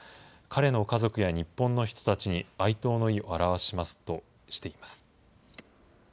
彼の家族や日本の人たちに哀悼の意を表しますとしています。